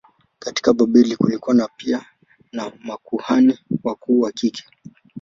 Katika Babeli kulikuwa pia na makuhani wakuu wa kike.